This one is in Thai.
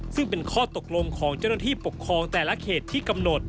ซึ่งเป็นข้อตกลงของเจ้าหน้าที่ปกครองแต่ละเขตที่กำหนด